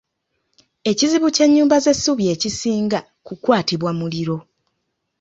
Ekizibu ky'ennyumba z'essubi ekisinga, kukwatibwa muliro.